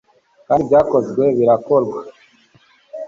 kandi ibyakozwe birakorwa